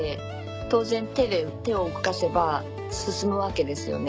当然手で手を動かせば進むわけですよね。